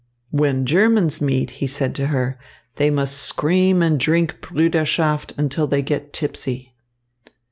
"When Germans meet," he said to her, "they must scream and drink Brüderschaft until they get tipsy."